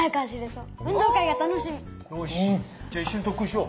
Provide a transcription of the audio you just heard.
よしじゃあ一緒に特訓しよう！